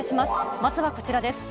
まずはこちらです。